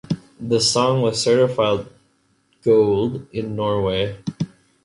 The song was certified Gold in Norway.